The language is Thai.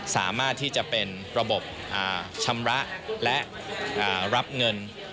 สามารถที่จะเป็นระบบชำระและรับเงิน